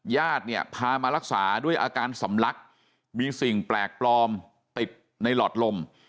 ญาติเนี่ยพามารักษาด้วยอาการสำลักมีสิ่งแปลกปลอมติดในหลอดลม